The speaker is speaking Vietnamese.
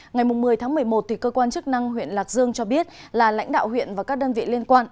ngày một mươi tháng một mươi một cơ quan chức năng huyện lạc dương cho biết là lãnh đạo huyện và các đơn vị liên quan